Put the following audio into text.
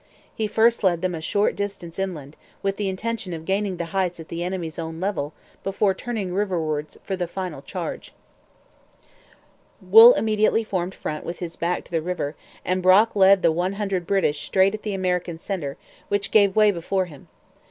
He first led them a short distance inland, with the intention of gaining the Heights at the enemy's own level before turning riverwards for the final charge. Wool immediately formed front with his back to the river; and Brock led the one hundred British straight at the American centre, which gave way before him.